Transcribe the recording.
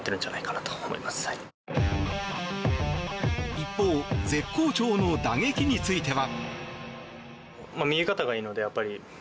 一方絶好調の打撃については。